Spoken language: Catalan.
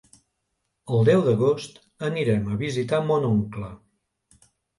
El deu d'agost anirem a visitar mon oncle.